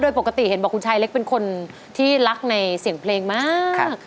โดยปกติเห็นบอกคุณชายเล็กเป็นคนที่รักในเสียงเพลงมาก